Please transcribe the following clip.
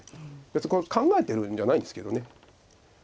別にこれ考えてるんじゃないですけど。